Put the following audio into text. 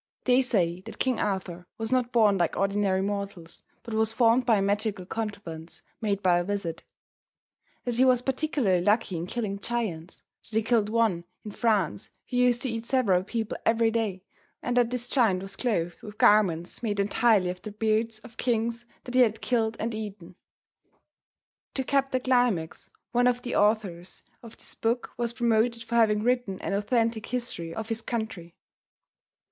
They say that King Arthur was not born like ordinary mortals, but was formed by a magical contrivance made by a wizard. That he was particularly lucky in killing giants, that he killed one in France who used to eat several people every day, and that this giant was clothed with garments made entirely of the beards of kings that he had killed and eaten. To cap the climax, one of the authors of this book was promoted for having written an authentic history of his country.